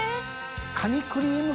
カニクリーム。